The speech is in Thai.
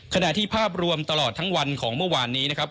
ขณะที่ภาพรวมตลอดทั้งวันของเมื่อวานนี้นะครับ